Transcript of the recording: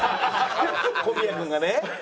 小宮君がね。